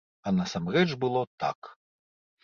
А насамрэч было так.